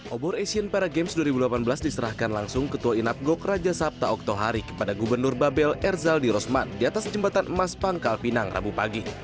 obor asian para games dua ribu delapan belas diserahkan langsung ketua inapgok raja sabta oktohari kepada gubernur babel erzaldi rosman di atas jembatan emas pangkal pinang rabu pagi